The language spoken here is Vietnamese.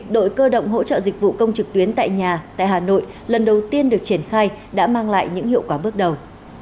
đội cơ động hỗ trợ dịch vụ công trực tuyến tại nhà tại hà nội lần đầu tiên được triển khai đã mang lại những hiệu quả bước đầu